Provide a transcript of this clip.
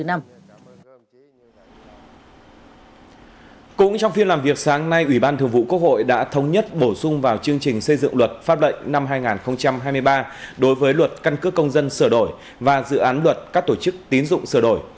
cũng trong phiên làm việc sáng nay ubqvn đã thống nhất bổ sung vào chương trình xây dựng luật pháp lệnh năm hai nghìn hai mươi ba đối với luật căn cước công dân sửa đổi và dự án luật các tổ chức tín dụng sửa đổi